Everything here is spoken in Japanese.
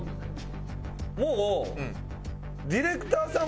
もうディレクターさん